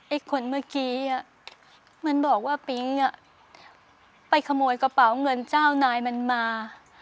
ไอ้คนเมื่อกี้มันบอกว่าปิ๊งไปขโมยกระเป๋าเงินเจ้านายมันมา